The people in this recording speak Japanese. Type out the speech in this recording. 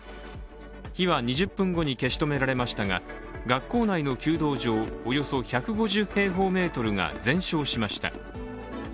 火は２０分後に消し止められましたが学校内の弓道場およそ１５０平方メートルが全焼しました。